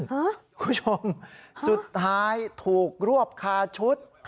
คุณผู้ชมสุดท้ายถูกรวบคาชุด